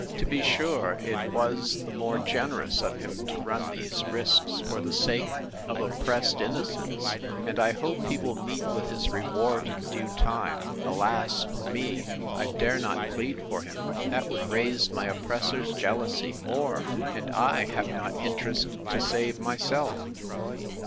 To be sure, it was the more generous of him to run these risks for the sake of oppressed innocence: and I hope he will meet with his reward in due time. Alas for me! I dare not plead for him; that would raise my oppressor's jealousy more. And I have not interest to save myself!